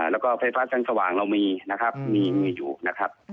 แล้วก็ไฟฟ้าชั้นสว่างเรามีนะครับมีอยู่นะครับ